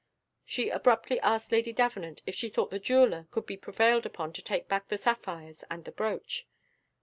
She abruptly asked Lady Davenant if she thought the jeweller could be prevailed upon to take back the sapphires and the brooch?